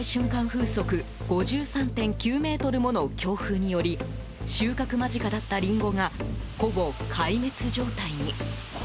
風速５３．９メートルの強風により収穫間近だったリンゴがほぼ壊滅状態に。